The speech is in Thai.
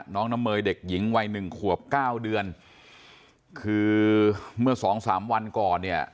น้องน้ำเมย์เด็กหญิงวัยหนึ่งขวบเก้าเดือนคือเมื่อสองสามวันก่อนเนี่ย